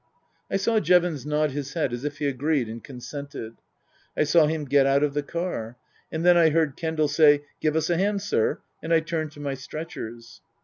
I saw Jevons nod his head as if he agreed and consented. I saw him get out of the car. And then I heard Kendal say, " Give us a hand, sir," and I turned to my stretchers.